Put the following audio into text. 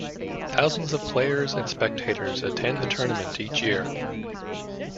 Thousands of players and spectators attend the tournament each year.